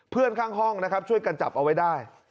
ข้างห้องนะครับช่วยกันจับเอาไว้ได้